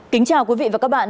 kính chào quý vị và các bạn